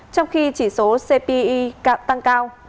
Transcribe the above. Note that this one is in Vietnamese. trong khi chỉ số cpi tăng cao